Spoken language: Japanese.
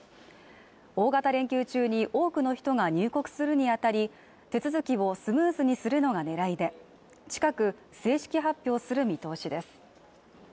大型連休中に多くの人が入国するにあたり、手続きをスムーズにするのが狙いで、近く正式発表する見通しです。